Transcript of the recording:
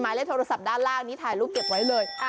เลขโทรศัพท์ด้านล่างนี้ถ่ายรูปเก็บไว้เลย